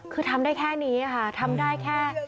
คือทำได้แค่นี้ค่ะทำได้แค่